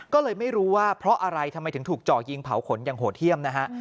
ก็เลยไม่รู้ว่าเพราะอะไรทำไมถึงถูกเจาะยิงเผาขนอย่างโหดเยี่ยมนะฮะ